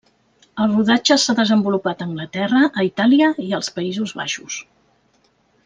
El rodatge s'ha desenvolupat a Anglaterra, a Itàlia i als Països Baixos.